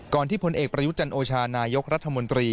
ที่พลเอกประยุจันโอชานายกรัฐมนตรี